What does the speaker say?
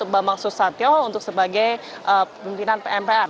bambang susatyo untuk sebagai pimpinan mpr